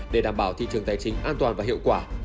để đảm bảo thị trường tài chính an toàn và hiệu quả